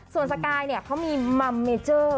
ส่วนสกายเขามีมัมเมเจอร์